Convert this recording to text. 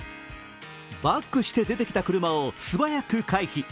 バックして出てきた車を素早く回避。